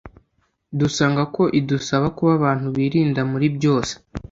dusanga ko idusaba kuba abantu birinda muri byose